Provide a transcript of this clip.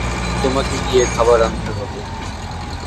তোমাকে গিয়ে খাবার আনতে হবে।